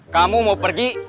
kamu mau pergi